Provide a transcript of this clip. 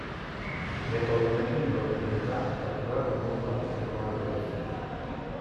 Metodo honekin lortu nahi da datuak modu atomikoan lortzea.